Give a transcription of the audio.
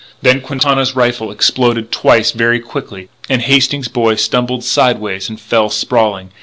Then Quintana's rifle exploded twice very quickly, and the Hastings boy stumbled sideways and fell sprawling.